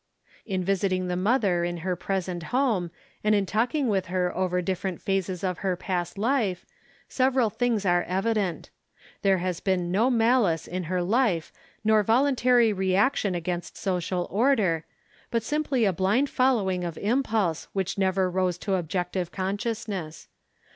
In visiting the mother in her present home and in talking with her over different phases of her past life, several things are evident; there has been no malice in her life nor voluntary reaction against social order, but simply a blind following of impulse which never rose to objective consciousness.